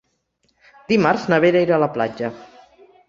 Dimarts na Vera irà a la platja.